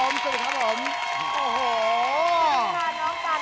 สวัสดีค่ะน้องกัน